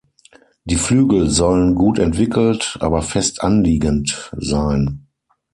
Die Flügel sollen gut entwickelt, aber fest anliegend sein.